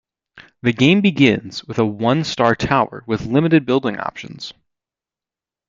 The game begins with a one-star tower with limited building options.